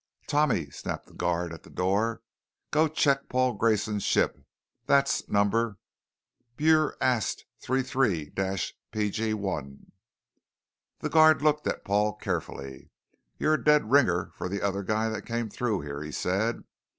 "Tommy," snapped the guard at the door, "Go check Paul Grayson's ship, that's number " "BurAst 33 P.G.1." The guard looked at Paul carefully. "You're a dead ringer for the other guy that came through here," he said.